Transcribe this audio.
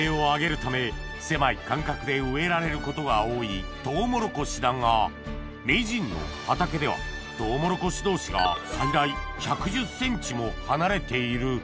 ことが多いトウモロコシだが名人の畑ではトウモロコシ同士が最大１１０ｃｍも離れている